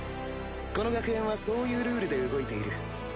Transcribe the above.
この学園はそういうルールで動いている。